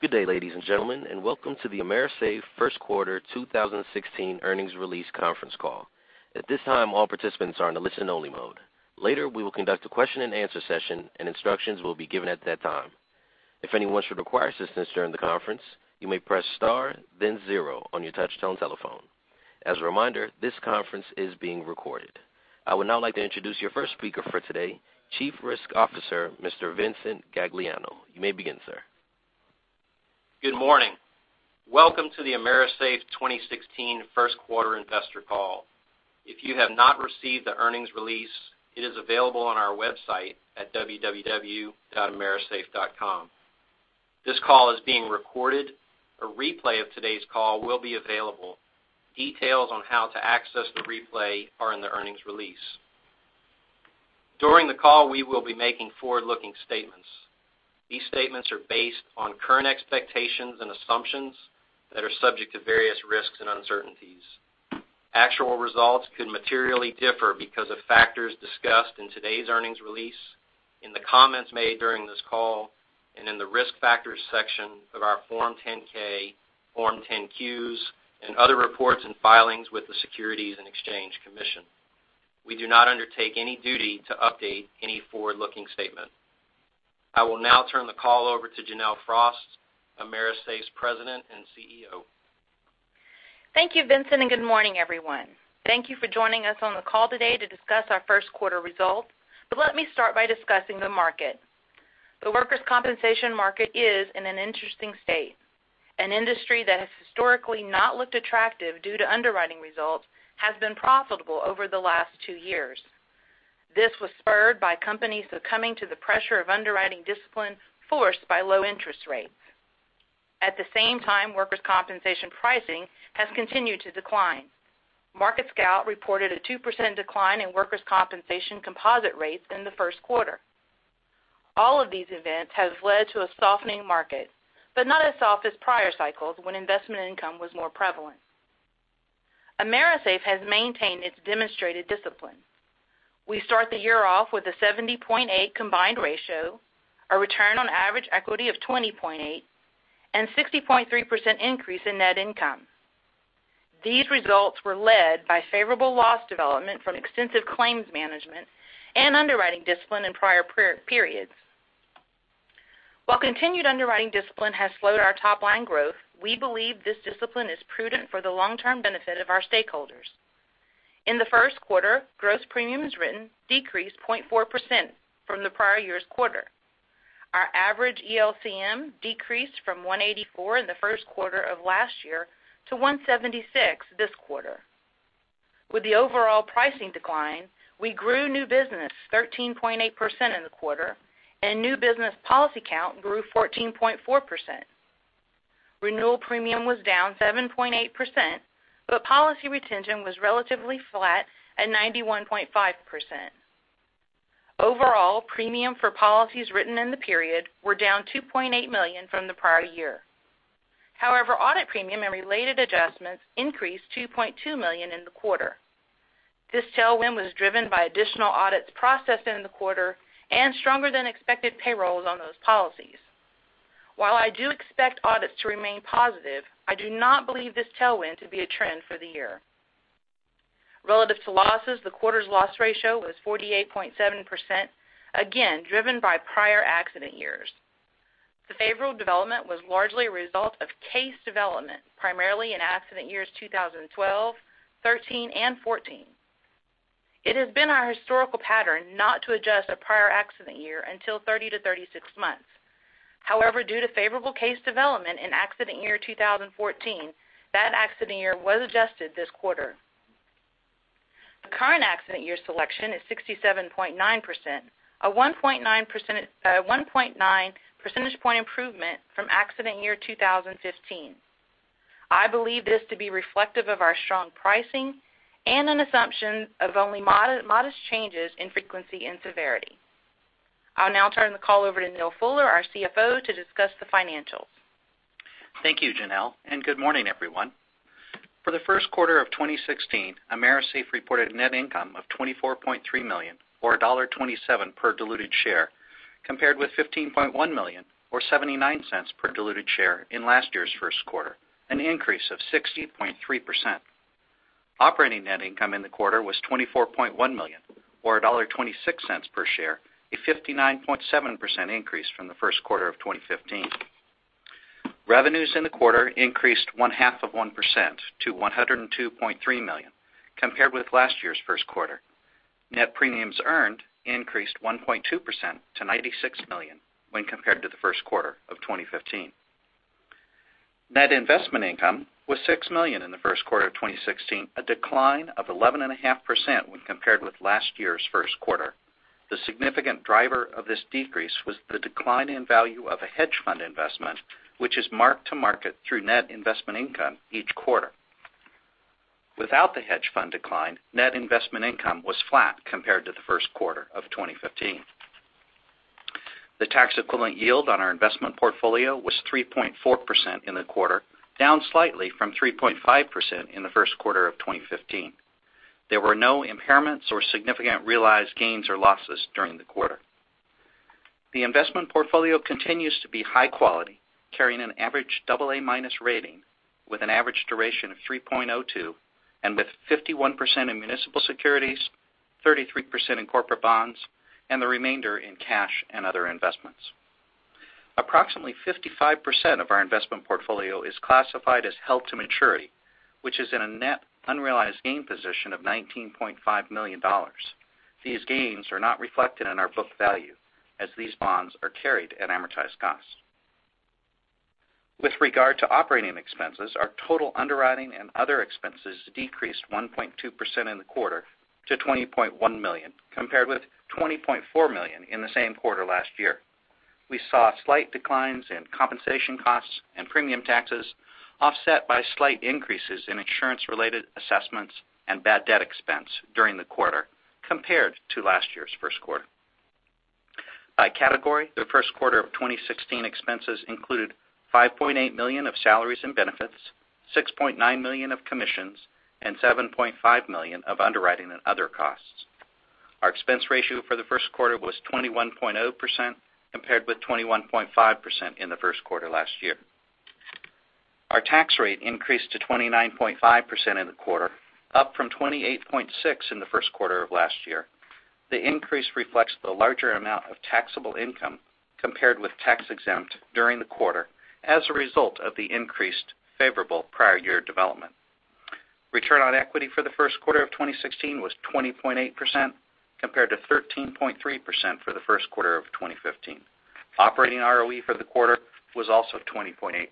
Good day, ladies and gentlemen, welcome to the AMERISAFE First Quarter 2016 Earnings Release Conference Call. At this time, all participants are in a listen-only mode. Later, we will conduct a question and answer session, instructions will be given at that time. If anyone should require assistance during the conference, you may press star then zero on your touch-tone telephone. As a reminder, this conference is being recorded. I would now like to introduce your first speaker for today, Chief Risk Officer, Mr. Vincent Gagliano. You may begin, sir. Good morning. Welcome to the AMERISAFE 2016 First Quarter Investor Call. If you have not received the earnings release, it is available on our website at www.amerisafe.com. This call is being recorded. A replay of today's call will be available. Details on how to access the replay are in the earnings release. During the call, we will be making forward-looking statements. These statements are based on current expectations and assumptions that are subject to various risks and uncertainties. Actual results could materially differ because of factors discussed in today's earnings release, in the comments made during this call, and in the Risk Factors section of our Form 10-K, Form 10-Qs, and other reports and filings with the Securities and Exchange Commission. We do not undertake any duty to update any forward-looking statement. I will now turn the call over to Janelle Frost, AMERISAFE's President and CEO. Thank you, Vincent, good morning, everyone. Thank you for joining us on the call today to discuss our first quarter results, let me start by discussing the market. The workers' compensation market is in an interesting state. An industry that has historically not looked attractive due to underwriting results has been profitable over the last two years. This was spurred by companies succumbing to the pressure of underwriting discipline forced by low interest rates. At the same time, workers' compensation pricing has continued to decline. MarketScout reported a 2% decline in workers' compensation composite rates in the first quarter. All of these events have led to a softening market, not as soft as prior cycles when investment income was more prevalent. AMERISAFE has maintained its demonstrated discipline. We start the year off with a 70.8 combined ratio, a return on average equity of 20.8, 60.3% increase in net income. These results were led by favorable loss development from extensive claims management and underwriting discipline in prior periods. While continued underwriting discipline has slowed our top-line growth, we believe this discipline is prudent for the long-term benefit of our stakeholders. In the first quarter, gross premiums written decreased 0.4% from the prior year's quarter. Our average ELCM decreased from 184 in the first quarter of last year to 176 this quarter. With the overall pricing decline, we grew new business 13.8% in the quarter, new business policy count grew 14.4%. Renewal premium was down 7.8%, policy retention was relatively flat at 91.5%. Overall, premium for policies written in the period were down $2.8 million from the prior year. However, audit premium and related adjustments increased $2.2 million in the quarter. This tailwind was driven by additional audits processed in the quarter and stronger than expected payrolls on those policies. While I do expect audits to remain positive, I do not believe this tailwind to be a trend for the year. Relative to losses, the quarter's loss ratio was 48.7%, again, driven by prior accident years. The favorable development was largely a result of case development, primarily in accident years 2012, 2013, and 2014. It has been our historical pattern not to adjust a prior accident year until 30 to 36 months. However, due to favorable case development in accident year 2014, that accident year was adjusted this quarter. The current accident year selection is 67.9%, a 1.9 percentage point improvement from accident year 2015. I'll now turn the call over to Neal Fuller, our CFO, to discuss the financials. Thank you, Janelle, and good morning, everyone. For the first quarter of 2016, AMERISAFE reported a net income of $24.3 million, or $1.27 per diluted share, compared with $15.1 million or $0.79 per diluted share in last year's first quarter, an increase of 60.3%. Operating net income in the quarter was $24.1 million, or $1.26 per share, a 59.7% increase from the first quarter of 2015. Revenues in the quarter increased one-half of 1% to $102.3 million, compared with last year's first quarter. Net premiums earned increased 1.2% to $96 million when compared to the first quarter of 2015. Net investment income was $6 million in the first quarter of 2016, a decline of 11.5% when compared with last year's first quarter. The significant driver of this decrease was the decline in value of a hedge fund investment, which is marked to market through net investment income each quarter. Without the hedge fund decline, net investment income was flat compared to the first quarter of 2015. The tax equivalent yield on our investment portfolio was 3.4% in the quarter, down slightly from 3.5% in the first quarter of 2015. There were no impairments or significant realized gains or losses during the quarter. The investment portfolio continues to be high quality, carrying an average AA minus rating with an average duration of 3.02 and with 51% in municipal securities, 33% in corporate bonds and the remainder in cash and other investments. Approximately 55% of our investment portfolio is classified as held to maturity, which is in a net unrealized gain position of $19.5 million. These gains are not reflected in our book value as these bonds are carried at amortized cost. With regard to operating expenses, our total underwriting and other expenses decreased 1.2% in the quarter to $20.1 million, compared with $20.4 million in the same quarter last year. We saw slight declines in compensation costs and premium taxes offset by slight increases in insurance-related assessments and bad debt expense during the quarter compared to last year's first quarter. By category, the first quarter of 2016 expenses included $5.8 million of salaries and benefits, $6.9 million of commissions and $7.5 million of underwriting and other costs. Our expense ratio for the first quarter was 21.0%, compared with 21.5% in the first quarter last year. Our tax rate increased to 29.5% in the quarter, up from 28.6% in the first quarter of last year. The increase reflects the larger amount of taxable income compared with tax exempt during the quarter as a result of the increased favorable prior year development. Return on equity for the first quarter of 2016 was 20.8%, compared to 13.3% for the first quarter of 2015. Operating ROE for the quarter was also 20.8%.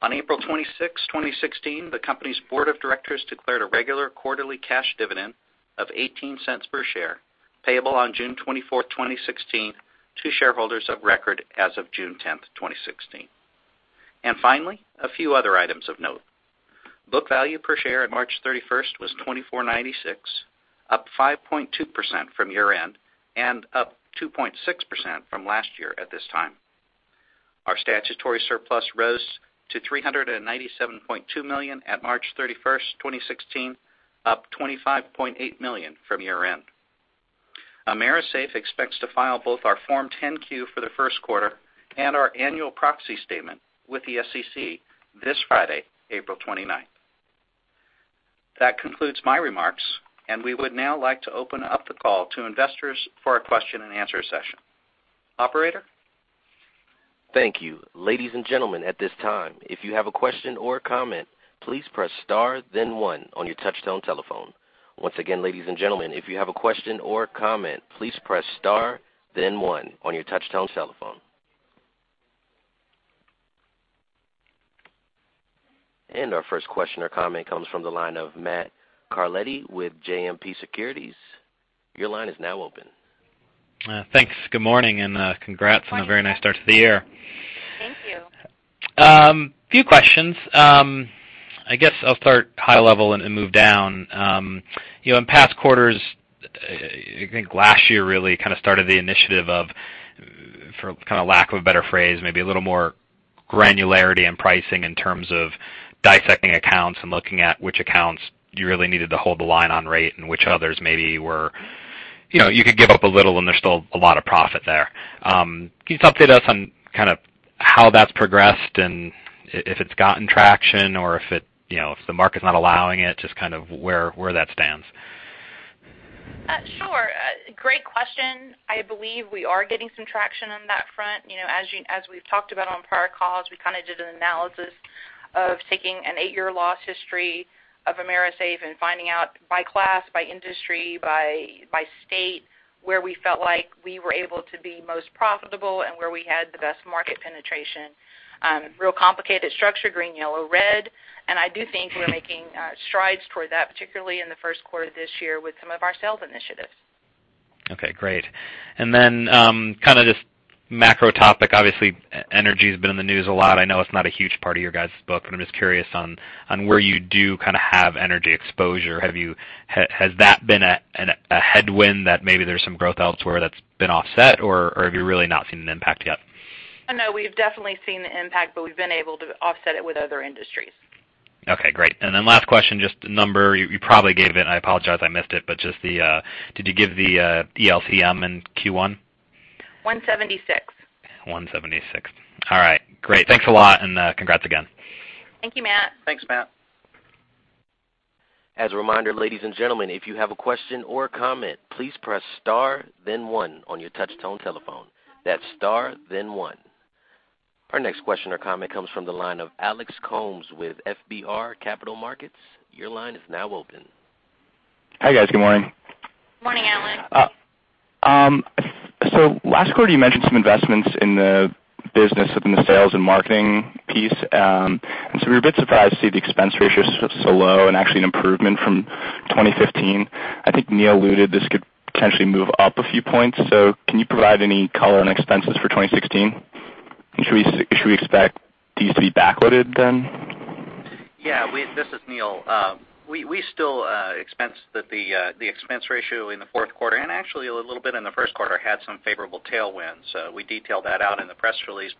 On April 26th, 2016, the company's board of directors declared a regular quarterly cash dividend of $0.18 per share payable on June 24th, 2016 to shareholders of record as of June 10th, 2016. Finally, a few other items of note. Book value per share at March 31st was $24.96, up 5.2% from year-end and up 2.6% from last year at this time. Our statutory surplus rose to $397.2 million at March 31st, 2016, up $25.8 million from year-end. AMERISAFE expects to file both our Form 10-Q for the first quarter and our annual proxy statement with the SEC this Friday, April 29th. That concludes my remarks. We would now like to open up the call to investors for a question and answer session. Operator? Thank you. Ladies and gentlemen, at this time, if you have a question or comment, please press star then one on your touchtone telephone. Once again, ladies and gentlemen, if you have a question or comment, please press star then one on your touchtone telephone. Our first question or comment comes from the line of Matthew Carletti with JMP Securities. Your line is now open. Thanks. Good morning and congrats on a very nice start to the year. Thank you. Few questions. I guess I'll start high level and move down. In past quarters, I think last year really kind of started the initiative of, for kind of lack of a better phrase, maybe a little more granularity in pricing in terms of dissecting accounts and looking at which accounts you really needed to hold the line on rate and which others maybe you could give up a little and there's still a lot of profit there. Can you just update us on kind of how that's progressed and if it's gotten traction or if the market's not allowing it, just kind of where that stands? Sure. Great question. I believe we are getting some traction on that front. As we've talked about on prior calls, we kind of did an analysis of taking an eight-year loss history of AMERISAFE and finding out by class, by industry, by state where we felt like we were able to be most profitable and where we had the best market penetration. Real complicated structure, green, yellow, red. I do think we're making strides toward that, particularly in the first quarter this year with some of our sales initiatives. Okay, great. Kind of just macro topic, obviously energy has been in the news a lot. I know it's not a huge part of your guys' book, but I'm just curious on where you do kind of have energy exposure. Has that been a headwind that maybe there's some growth elsewhere that's been offset or have you really not seen an impact yet? No, we've definitely seen the impact, but we've been able to offset it with other industries. Okay, great. Last question, just a number you probably gave it and I apologize I missed it, but did you give the ELCM in Q1? 176. 176. All right, great. Thanks a lot and congrats again. Thank you, Matt. Thanks, Matt. As a reminder, ladies and gentlemen, if you have a question or comment, please press star then one on your touchtone telephone. That's star then one. Our next question or comment comes from the line of Adam Klauber with FBR Capital Markets. Your line is now open. Hi, guys. Good morning. Morning, Adam. Last quarter you mentioned some investments in the business within the sales and marketing piece. We were a bit surprised to see the expense ratios so low and actually an improvement from 2015. I think Neal alluded this could potentially move up a few points. Can you provide any color on expenses for 2016? Should we expect these to be backloaded then? This is Neal. The expense ratio in the fourth quarter, and actually a little bit in the first quarter, had some favorable tailwinds. We detailed that out in the press release.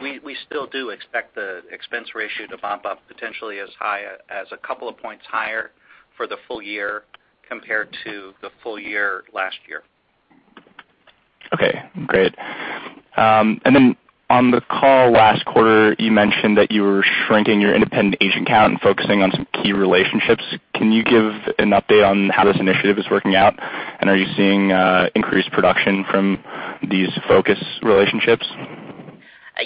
We still do expect the expense ratio to bump up potentially as high as a couple of points higher for the full year compared to the full year last year. Okay, great. On the call last quarter, you mentioned that you were shrinking your independent agent count and focusing on some key relationships. Can you give an update on how this initiative is working out? Are you seeing increased production from these focus relationships?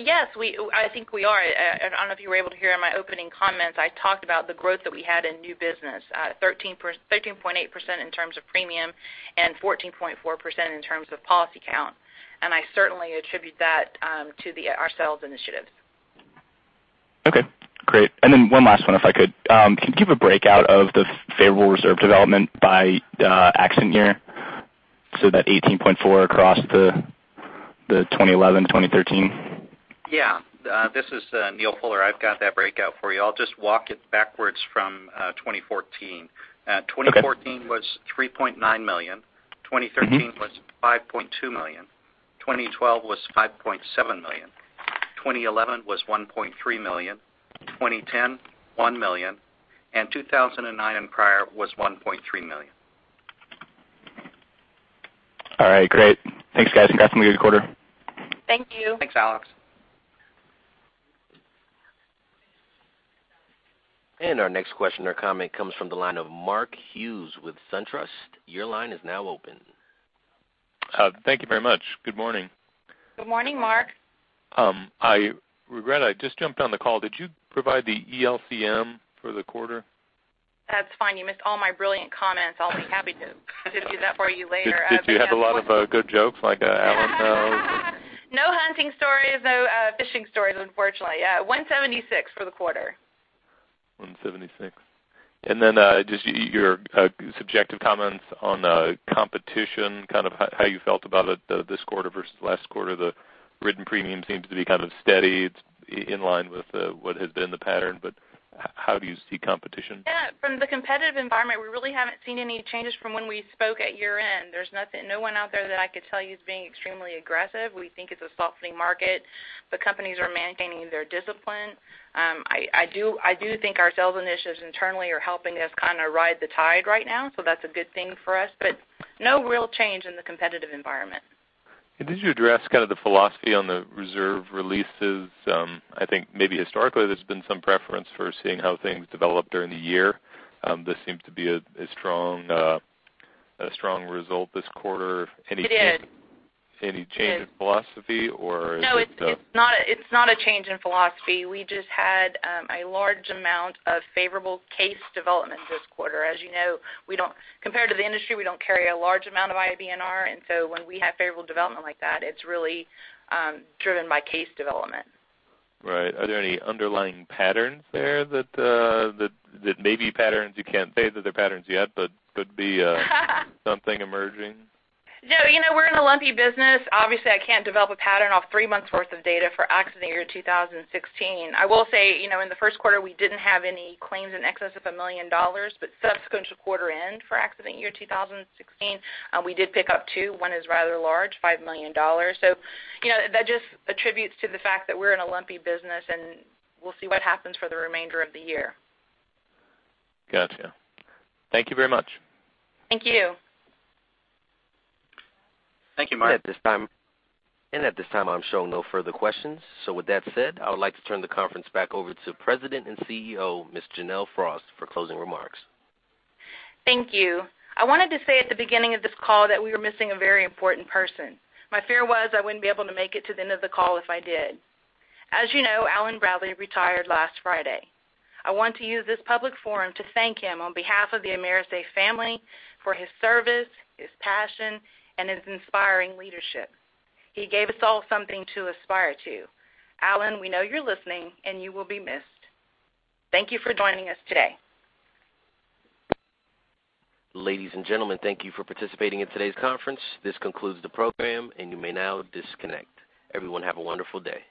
Yes, I think we are. I don't know if you were able to hear in my opening comments, I talked about the growth that we had in new business, 13.8% in terms of premium and 14.4% in terms of policy count. I certainly attribute that to our sales initiatives. Okay, great. One last one, if I could. Can you give a breakout of the favorable reserve development by accident year, so that $18.4 million across the 2011-2013? Yeah. This is Neal Fuller. I've got that breakout for you. I'll just walk it backwards from 2014. Okay. 2014 was $3.9 million. 2013 was $5.2 million. 2012 was $5.7 million. 2011 was $1.3 million. 2010, $1 million, 2009 and prior was $1.3 million. All right, great. Thanks, guys. Congrats on a good quarter. Thank you. Thanks, Adam. Our next question or comment comes from the line of Mark Hughes with SunTrust. Your line is now open. Thank you very much. Good morning. Good morning, Mark. I regret I just jumped on the call. Did you provide the ELCM for the quarter? That's fine. You missed all my brilliant comments. I'll be happy to do that for you later. Did you have a lot of good jokes like Alan, though? No hunting stories, no fishing stories, unfortunately. 176 for the quarter. 176. Then, just your subjective comments on competition, kind of how you felt about it this quarter versus last quarter. The written premium seems to be kind of steady. It's in line with what has been the pattern, how do you see competition? From the competitive environment, we really haven't seen any changes from when we spoke at year-end. There's no one out there that I could tell you is being extremely aggressive. We think it's a softening market. The companies are maintaining their discipline. I do think our sales initiatives internally are helping us kind of ride the tide right now, that's a good thing for us. No real change in the competitive environment. Did you address kind of the philosophy on the reserve releases? I think maybe historically there's been some preference for seeing how things develop during the year. This seems to be a strong result this quarter. It is. Any change in philosophy or is it? No, it's not a change in philosophy. We just had a large amount of favorable case developments this quarter. As you know, compared to the industry, we don't carry a large amount of IBNR, and so when we have favorable development like that, it's really driven by case development. Right. Are there any underlying patterns there that may be patterns? You can't say that they're patterns yet. Could be something emerging. No, we're in a lumpy business. Obviously, I can't develop a pattern off three months' worth of data for accident year 2016. I will say, in the first quarter, we didn't have any claims in excess of a million dollars. Subsequent to quarter end for accident year 2016, we did pick up two. One is rather large, $5 million. That just attributes to the fact that we're in a lumpy business, and we'll see what happens for the remainder of the year. Gotcha. Thank you very much. Thank you. Thank you, Mark. At this time, I'm showing no further questions. With that said, I would like to turn the conference back over to President and CEO, Ms. Janelle Frost, for closing remarks. Thank you. I wanted to say at the beginning of this call that we were missing a very important person. My fear was I wouldn't be able to make it to the end of the call if I did. As you know, Alan Bradley retired last Friday. I want to use this public forum to thank him on behalf of the AMERISAFE family for his service, his passion, and his inspiring leadership. He gave us all something to aspire to. Alan, we know you're listening, and you will be missed. Thank you for joining us today. Ladies and gentlemen, thank you for participating in today's conference. This concludes the program, and you may now disconnect. Everyone, have a wonderful day.